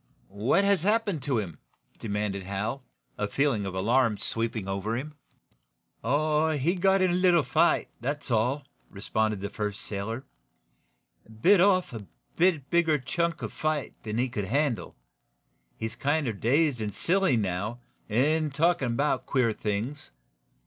"What has happened to him?" demanded Hal, a feeling of alarm sweeping over him. "Oh, he got in a little fight that's all," responded the first sailor. "Bit off a little bit bigger chunk of fight than he could handle. He's kinder dazed and silly, now, and talkin' about queer things.